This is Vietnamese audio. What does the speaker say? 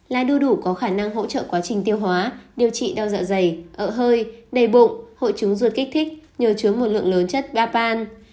lá đu đủ có khả năng hỗ trợ quá trình tiêu hóa điều trị đau dạ dày ợ hơi đầy bụng hội trứng ruột kích thích nhờ chứa một lượng lớn chất bapan